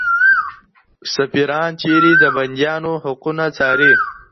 سفیران چیري د بندیانو حقونه څاري؟